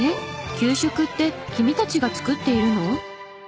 給食って君たちが作っているの？